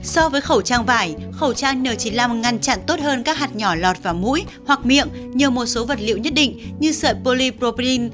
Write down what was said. so với khẩu trang vải khẩu trang n chín mươi năm ngăn chặn tốt hơn các hạt nhỏ lọt vào mũi hoặc miệng nhờ một số vật liệu nhất định như sợi polyproprin